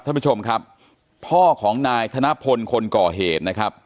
ท่านผู้ชมครับพ่อของนายธนพลคนก่อเหตุนะครับ